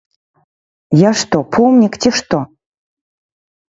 Я што, помнік, ці што?